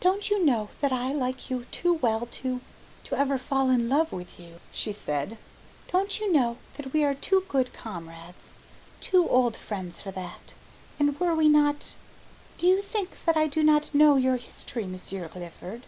"Don't you know that I like you too well to to ever fall in love with you?" she said. "Don't you know that we are too good comrades, too old friends for that? And were we not, do you think that I do not know your history, Monsieur Clifford?"